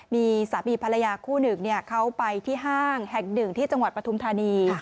มีสามีภรรยาคู่หนึ่งเขาไปที่ห้างแห่งหนึ่งที่จังหวัดปฐุมธานี